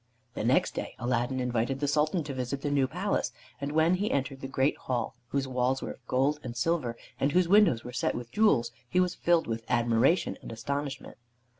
The next day Aladdin invited the Sultan to visit the new palace, and when he entered the great hall, whose walls were of gold and silver and whose windows were set with jewels, he was filled with admiration and astonishment.